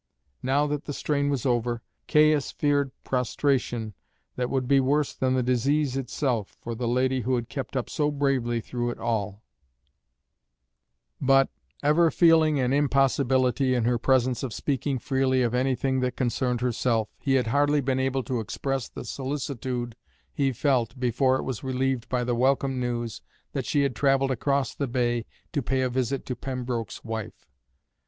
Now that the strain was over, Caius feared prostration that would be worse than the disease itself for the lady who had kept up so bravely through it all; but, ever feeling an impossibility in her presence of speaking freely of anything that concerned herself, he had hardly been able to express the solicitude he felt before it was relieved by the welcome news that she had travelled across the bay to pay a visit to Pembroke's wife.